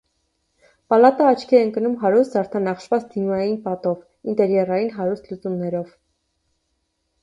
Պալատը աչքի է ընկնում հարուստ, զարդանախշված դիմային պատով, ինտերյերային հարուստ լուծումներով։